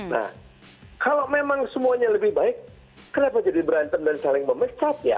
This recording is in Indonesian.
nah kalau memang semuanya lebih baik kenapa jadi berantem dan saling memecat ya